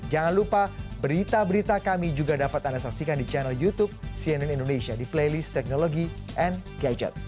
jangan lupa berita berita kami juga dapat anda saksikan di channel youtube cnn indonesia di playlist teknologi and gadget